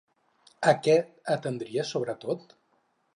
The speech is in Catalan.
A què atendria sobretot?